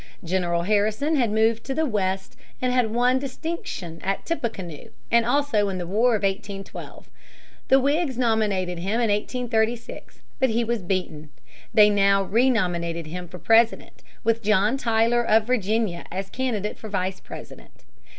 General Harrison had moved to the West and had won distinction at Tippecanoe, and also in the War of 1812 (pp. 202, 209). The Whigs nominated him in 1836, but he was beaten. They now renominated him for President, with John Tyler of Virginia as candidate for Vice President.